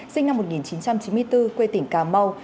sinh năm một nghìn chín trăm chín mươi bốn quê tỉnh cà mau